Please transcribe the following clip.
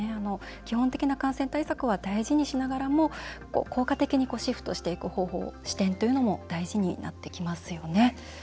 基本的な感染対策は大事にしながらも効果的にシフトしていく方法視点というのも大事になってきますよね。